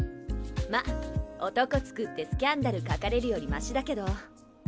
まあ男作ってスキャンダル書かれるよりマシだけどほどほどにね。